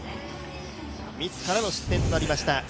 ミスからの失点となりました。